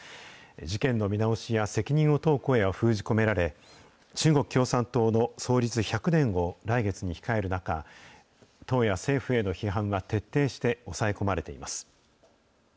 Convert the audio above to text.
事件の見直しや責任を問う声は封じ込められ、中国共産党の創立１００年を来月に控える中、党や政府への批判は徹底して抑え込まれています。